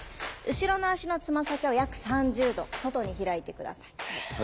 後ろの足のつま先を約３０度外に開いて下さい。